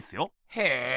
へえ